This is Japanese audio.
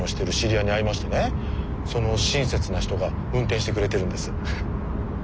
その親切な人が運転してくれてるんです。